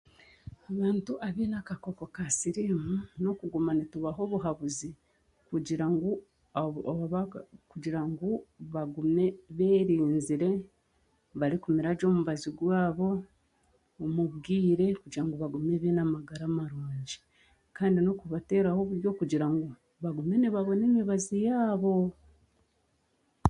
Abantu abeine akakooko ka siriimu n'okuguma nitubaha obuhabuzi kugira ngu bagume b'erinzire barikumira gye omubaazi gwaabo omu bwiire kugira ngu bagume beine amagara marungi kandi n'okubateraho oburyo kugira ngu bagume nibabona emibaazi yaabo.